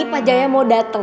pak jaya mau dateng